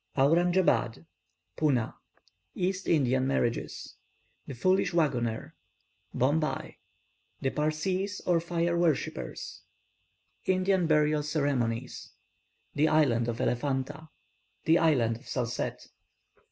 AURANJABAD PUNA EAST INDIAN MARRIAGES THE FOOLISH WAGGONER BOMBAY THE PARSEES, OR FIRE WORSHIPPERS INDIAN BURIAL CEREMONIES THE ISLAND OF ELEPHANTA THE ISLAND OF SALSETTE.